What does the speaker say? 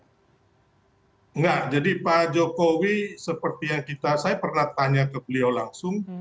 enggak jadi pak jokowi seperti yang kita saya pernah tanya ke beliau langsung